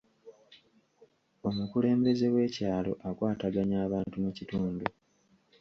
Omukulembeze w'ekyalo akwataganya abantu mu kitundu.